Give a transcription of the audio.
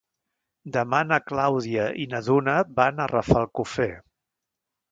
Demà na Clàudia i na Duna van a Rafelcofer.